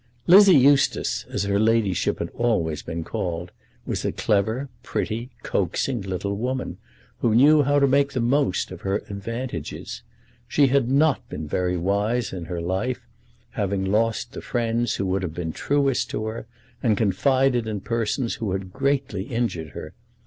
Lizzie Eustace, as her ladyship had always been called, was a clever, pretty, coaxing little woman, who knew how to make the most of her advantages. She had not been very wise in her life, having lost the friends who would have been truest to her, and confided in persons who had greatly injured her.